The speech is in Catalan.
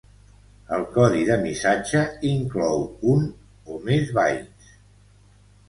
El codi de missatge inclou un o més bytes.